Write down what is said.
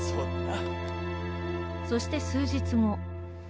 そして数日後